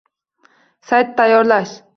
Sayt tayyorlash